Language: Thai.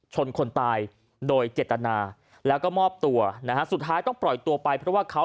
คนตายโดยเจตนาแล้วก็มอบตัวนะฮะสุดท้ายต้องปล่อยตัวไปเพราะว่าเขา